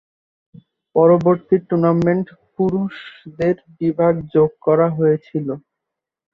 পরবর্তী টুর্নামেন্ট পুরুষদের বিভাগ যোগ করা হয়েছিল।